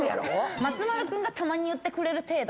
松丸君がたまに言ってくれる程度。